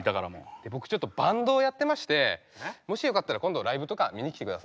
で僕ちょっとバンドをやってましてもしよかったら今度ライブとか見に来てください。